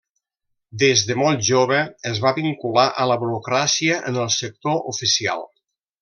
Des de molt jove es va vincular a la burocràcia en el sector oficial.